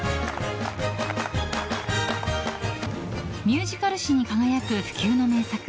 ミュージカル史に輝く不朽の名作